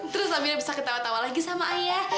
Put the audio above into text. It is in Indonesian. terus akhirnya bisa ketawa tawa lagi sama ayah